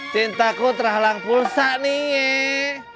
cintaku terhalang pulsa nih